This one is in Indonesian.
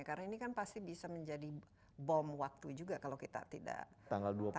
karena ini kan pasti bisa menjadi bom waktu juga kalau kita tidak tangani